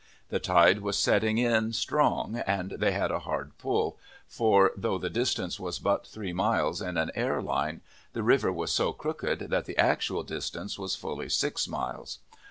The tide was setting in strong, and they had a hard pull, for, though the distance was but three miles in an air line, the river was so crooked that the actual distance was fully six miles.